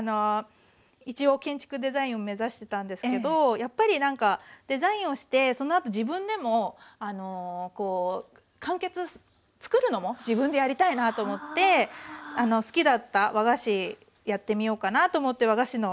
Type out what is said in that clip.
一応建築デザインを目指してたんですけどやっぱりなんかデザインをしてそのあと自分でもあの完結作るのも自分でやりたいなと思って好きだった和菓子やってみようかなと思って和菓子の学校に入りました。